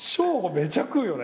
めちゃ食うよね。